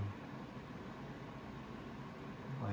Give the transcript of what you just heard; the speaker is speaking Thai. น่าจะมีเห็น